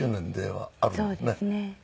そうですね。